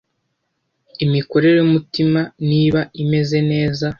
imikorere y’umutima niba imeze neza